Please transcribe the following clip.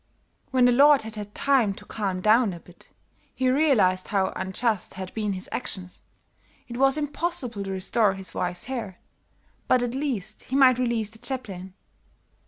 "When the lord had had time to calm down a bit, he realized how unjust had been his actions. It was impossible to restore his wife's hair, but at least he might release the chaplain.